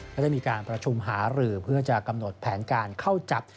และได้มีการประชุมหารือเพื่อจะกำหนดแผนการเข้าจับ